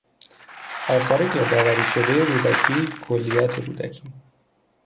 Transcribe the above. آثار گردآوری شدهی رودکی، کلیات رودکی